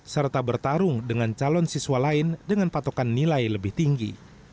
serta bertarung dengan calon siswa lain dengan patokan nilai lebih tinggi